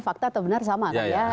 fakta atau benar sama